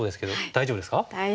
大丈夫です。